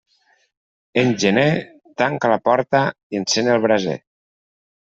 En gener, tanca la porta i encén el braser.